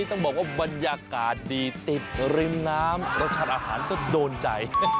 ต้องบอกว่าบรรยากาศดีติดริมน้ำรสชาติอาหารก็โดนใจ